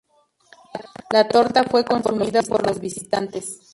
La torta fue consumida por los visitantes.